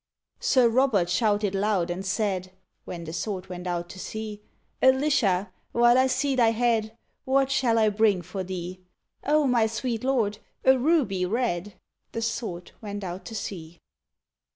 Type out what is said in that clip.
_ Sir Robert shouted loud, and said: When the Sword went out to sea, Alicia, while I see thy head, What shall I bring for thee? O, my sweet Lord, a ruby red: _The Sword went out to sea.